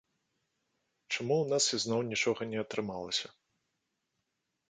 Чаму ў нас ізноў нічога не атрымалася.